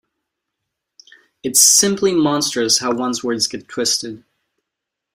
It's simply monstrous how one's words get twisted.